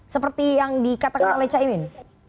seperti yang dikatakan oleh caimin